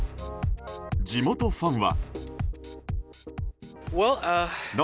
地元ファンは。